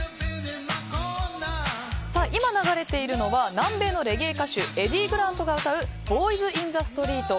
今流れているのは南米のレゲエ歌手エディ・グラントが歌う「ボーイズ・イン・ザ・ストリート」。